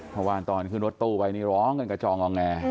เมื่อวานตอนขึ้นรถตู้ไปนี่ร้องกันกระจองงองแง